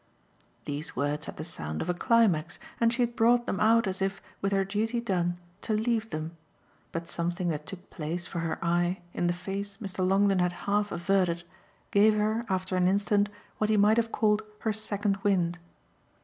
These words had the sound of a climax, and she had brought them out as if, with her duty done, to leave them; but something that took place, for her eye, in the face Mr. Longdon had half averted gave her after an instant what he might have called her second wind.